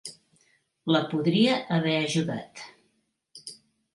La podria haver ajudat.